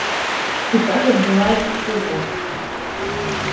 І так адбываецца штогод.